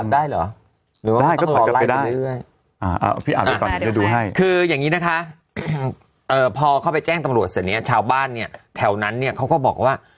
ด้วยอ้าวพี่กำลังรู้ให้คืออย่างนี้นะคะพอเข้าไปแจ้งตังค์บรวดเสร็จเนี่ยชาวบ้านเนี่ยแถวนั้นเนี่ยเขาก็บอกว่า